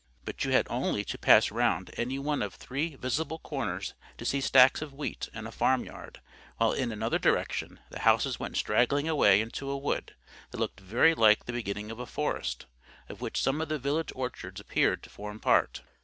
But you had only to pass round any one of three visible corners to see stacks of wheat and a farm yard; while in another direction the houses went straggling away into a wood that looked very like the beginning of a forest, of which some of the village orchards appeared to form part.